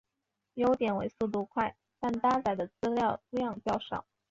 优点为速度快但搭载的资料量较少。